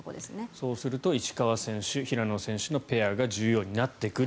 そうすると石川選手、平野選手のペアが重要になってくる。